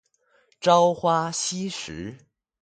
朝花夕拾